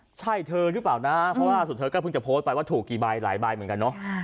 ใช่เธอหรือเปล่านะเพราะว่าสุดเธอก็เพิ่งจะโพสต์ไปว่าถูกกี่ใบหลายใบเหมือนกันเนาะ